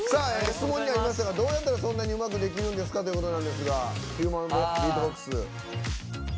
質問にありましたがどうやったらそんなにうまくできるんですかということなんですがヒューマンビートボックス。